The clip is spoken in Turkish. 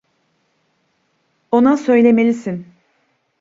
Ona söylemelisin.